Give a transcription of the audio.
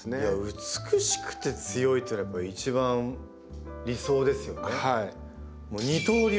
美しくて強いっていうのは一番理想ですよね。